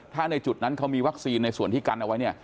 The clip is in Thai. ถ้าในจุดนั้นเขามีวัคซีนในส่วนที่กันเอาไว้เนี่ย